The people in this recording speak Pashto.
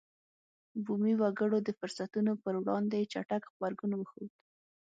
بومي وګړو د فرصتونو پر وړاندې چټک غبرګون وښود.